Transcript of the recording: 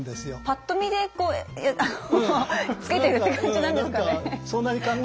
ぱっと見で付けてるって感じなんですかね。